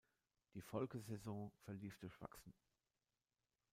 Die Folgesaison verlief durchwachsen.